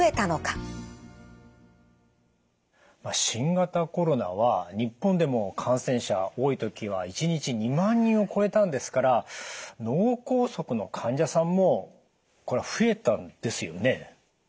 新型コロナは日本でも感染者多い時は１日２万人を超えたんですから脳梗塞の患者さんもこれは増えたんですよね？